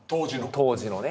当時のね。